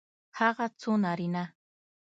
هغه څو نارینه